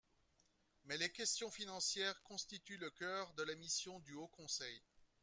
Mais les questions financières constituent le cœur de la mission du Haut conseil.